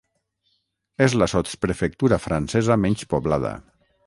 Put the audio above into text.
És la sotsprefectura francesa menys poblada.